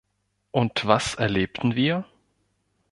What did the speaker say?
Und was erlebten wir?